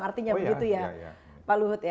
artinya begitu ya pak luhut ya